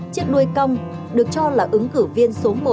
chiếc đuôi cong được cho là ứng cử viên